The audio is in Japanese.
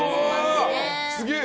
すげえ！